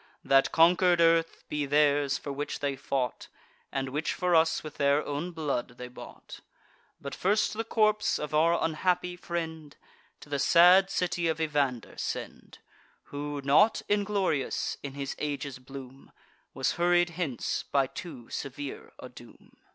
That conquer'd earth be theirs, for which they fought, And which for us with their own blood they bought; But first the corpse of our unhappy friend To the sad city of Evander send, Who, not inglorious, in his age's bloom, Was hurried hence by too severe a doom."